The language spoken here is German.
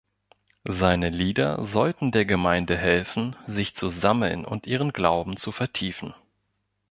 Seine Lieder sollten der Gemeinde helfen, sich zu sammeln und ihren Glauben zu vertiefen.